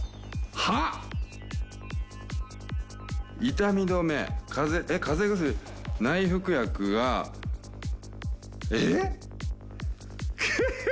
痛み止め風邪えっ風邪薬内服薬えっ？